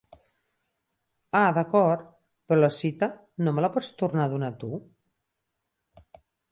Ah d'acord, però la cita no me la pots tornar a donar tu?